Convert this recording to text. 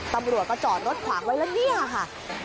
ตำรวจก็จอดรถขวางไว้แล้วเนี่ยค่ะ